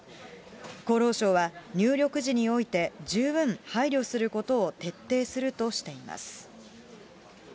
厚労省は、入力時において十分配慮することを徹底するとしています。